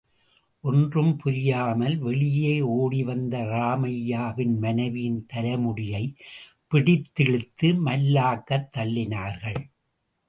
ஒன்றும் புரியாமல் வெளியே ஓடிவந்த ராமையாவின் மனைவியின் தலைமுடியைப் பிடித்திழுத்து மல்லாக்கத் தள்ளினார்க்ள்.